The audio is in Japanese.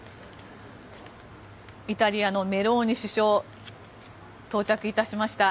イタリアのメローニ首相到着いたしました。